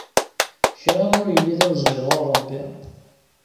Kra ur yelli d awezɣi ɣur Rebbi.